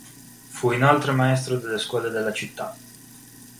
Fu inoltre maestro alle Scuole della città.